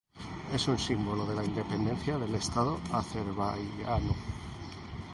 Es un símbolo de la independencia del Estado azerbaiyano.